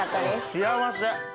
幸せ。